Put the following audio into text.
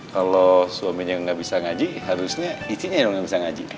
kalau suaminya gak bisa ngaji harusnya istrinya juga gak bisa ngaji